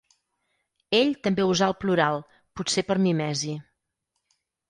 Ell també usà el plural, potser per mimesi.